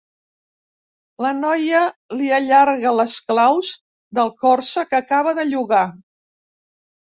La noia li allarga les claus del Corsa que acaba de llogar.